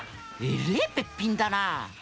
えれえべっぴんだな。